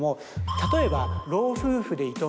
例えば。